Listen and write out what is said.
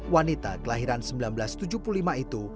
wanita kelahiran seribu sembilan ratus tujuh puluh lima itu